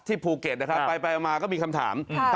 ที่ภูเกตอะไรครับไปมาก็มีคำถามครับ